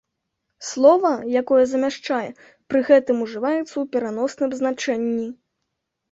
Слова, якое замяшчае, пры гэтым ужываецца ў пераносным значэнні.